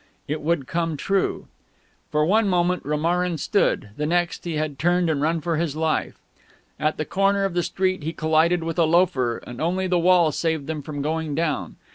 It would come true.... For one moment Romarin stood; the next, he had turned and run for his life. At the corner of the street he collided with a loafer, and only the wall saved them from going down.